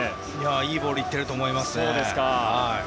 いいボールが行っていると思います。